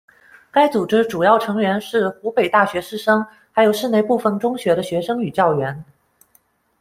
该组织主要成员是湖北大学师生，还有市内部分中学的学生与教员。